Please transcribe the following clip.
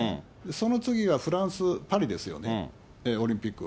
その次はフランス・パリですよね、オリンピック。